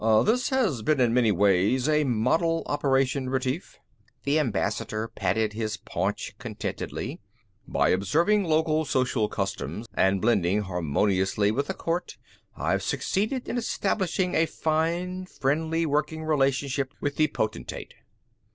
"This has been in many ways a model operation, Retief." The Ambassador patted his paunch contentedly. "By observing local social customs and blending harmoniously with the court, I've succeeded in establishing a fine, friendly, working relationship with the Potentate."